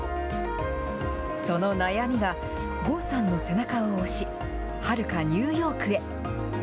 その悩みが、郷さんの背中を押し、はるかニューヨークへ。